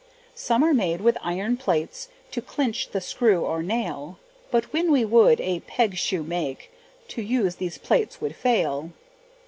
Some are made with iron plates, To clinch the screw or nail, But when we would a peg shoe make, To use these plates would fail.